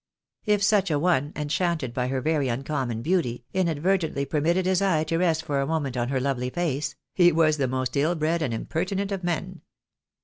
If such a one, enchanted by her very uncommon beauty, inad vertently permitted his eye to rest for a moment on her lovely face, " he was the most ill bred and impertinent of men."